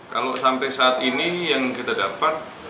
kalau sampai saat ini yang kita dapat